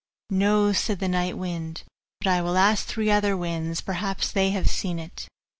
'No,' said the night wind, 'but I will ask three other winds; perhaps they have seen it.